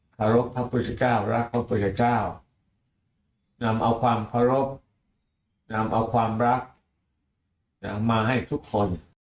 เคารพพระพุทธเจ้ารักพระพุทธเจ้านำเอาความเคารพนำเอาความรักมาให้ทุกคน